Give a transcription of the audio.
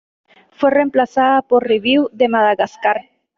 Fue reemplazada por "Revue de Madagascar"